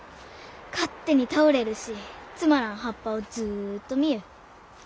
勝手に倒れるしつまらん葉っぱをずっと見ゆう。